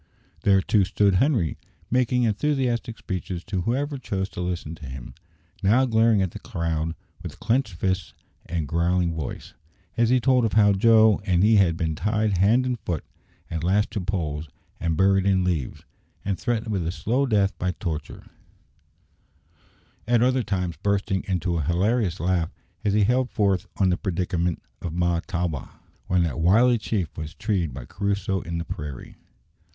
There, too, stood Henri, making enthusiastic speeches to whoever chose to listen to him now glaring at the crowd with clenched fists and growling voice, as he told of how Joe and he had been tied hand and foot, and lashed to poles, and buried in leaves, and threatened with a slow death by torture; at other times bursting into a hilarious laugh as he held forth on the predicament of Mahtawa, when that wily chief was treed by Crusoe in the prairie.